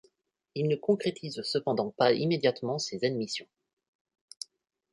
Il ne concrétise cependant pas immédiatement ces admissions.